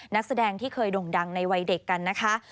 นักแสดงที่เคยด่งดังในวัยเด็กกันนะคะ